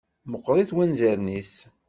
Meqqṛit wanzaren-is.